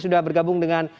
sudah bergabung dengan